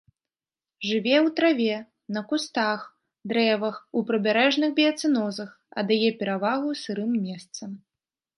Жыве ў траве, на кустах, дрэвах у прыбярэжных біяцэнозах, аддае перавагу сырым месцам.